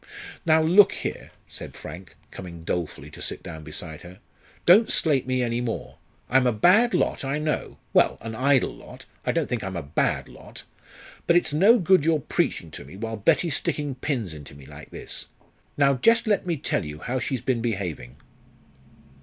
"Now look here," said Frank, coming dolefully to sit down beside her; "don't slate me any more. I'm a bad lot, I know well, an idle lot I don't think I am a bad lot But it's no good your preaching to me while Betty's sticking pins into me like this. Now just let me tell you how she's been behaving."